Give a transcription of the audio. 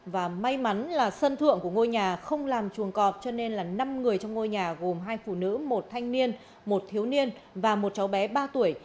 và may mắn là sân thượng của ngôi nhà không làm chuồng cọp cho nên là năm người trong ngôi nhà gồm hai phụ nữ một thanh niên một thiếu niên và một cháu bé ba tuổi